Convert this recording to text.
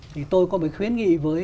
thì tôi có một khuyến nghị với